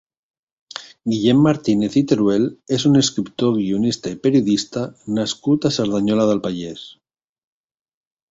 Guillem Martínez i Teruel és un escriptor, guionista i periodista nascut a Cerdanyola del Vallès.